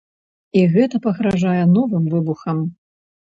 І гэта пагражае новым выбухам.